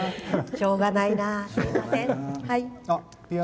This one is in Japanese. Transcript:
しょうがないな。